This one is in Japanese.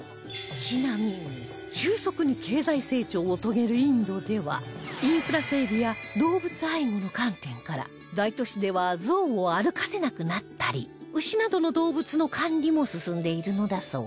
ちなみに急速に経済成長を遂げるインドではインフラ整備や動物愛護の観点から大都市ではゾウを歩かせなくなったり牛などの動物の管理も進んでいるのだそう